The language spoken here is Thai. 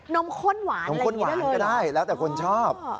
นมข้นหวานก็ได้แล้วแต่คุณชอบ